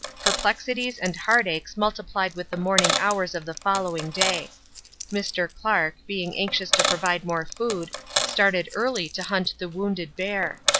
DONNER LAKE] Perplexities and heartaches multiplied with the morning hours of the following day. Mr. Clark, being anxious to provide more food, started early to hunt the wounded bear.